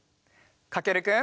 かけるくん。